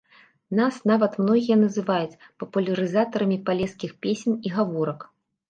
Нас нават многія называюць папулярызатарамі палескіх песень і гаворак.